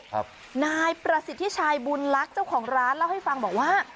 นายประสิทธิชัยบุญลักษณ์เจ้าของร้านเล่าให้ฟังบอกว่า